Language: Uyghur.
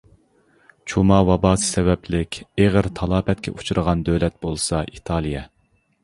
چۇما ۋاباسى سەۋەبلىك ئېغىر تالاپەتكە ئۇچرىغان دۆلەت بولسا ئىتالىيە.